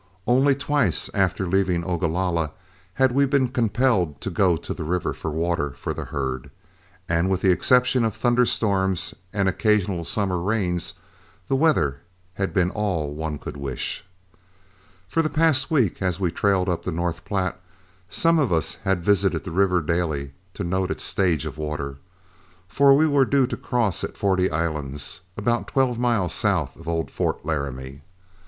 Only twice after leaving Ogalalla had we been compelled to go to the river for water for the herd, and with the exception of thunderstorms and occasional summer rains, the weather had been all one could wish. For the past week as we trailed up the North Platte, some one of us visited the river daily to note its stage of water, for we were due to cross at Forty Islands, about twelve miles south of old Fort Laramie.